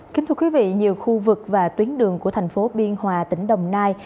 kính thưa quý vị nhiều khu vực và tuyến đường của thành phố biên hòa tỉnh đồng nai